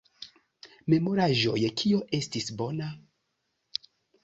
Memoraĵoj Kio estis bona?